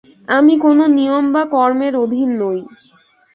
আমি কোন নিয়ম বা কর্মের অধীন নই।